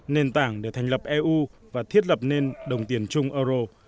nền tảng để thành lập eu và thiết lập nên đồng tiền chung euro